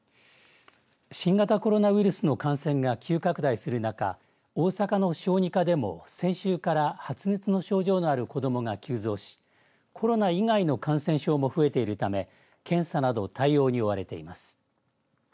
新型コロナウイルスの感染が急拡大する中大阪の小児科でも先週から発熱の症状のある子どもが急増しコロナ以外の感染症も増えているため検査など対応に追われています。